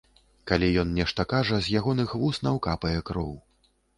Калі ён нешта кажа, з ягоных вуснаў капае кроў.